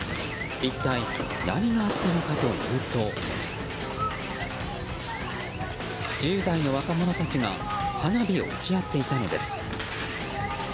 一体、何があったのかというと１０代の若者たちが花火を撃ち合っていたのです。